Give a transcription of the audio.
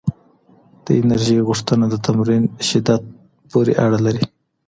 د انرژۍ غوښتنه د تمرین شدت پورې اړه لري؟